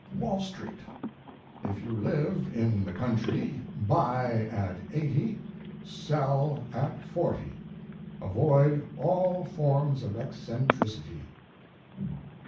WALL STREET If you live in the country, buy at 80, sell at 40. Avoid all forms of eccentricity.